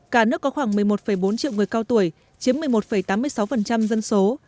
cả nước có khoảng một mươi một bốn triệu người cao tuổi chiếm một mươi một tám mươi sáu dân số